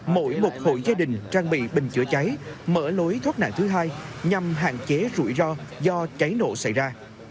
mỗi một hội gia đình trang bị bình chữa cháy mở lối thoát nạn thứ hai nhằm hạn chế rủi ro do cháy nổ xảy ra